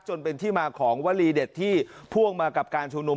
จนเป็นที่มาของวลีเด็ดที่พ่วงมากับการชุมนุม